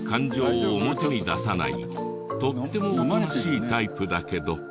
とってもおとなしいタイプだけど。